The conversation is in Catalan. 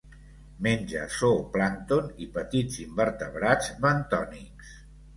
Menja zooplàncton i petits invertebrats bentònics.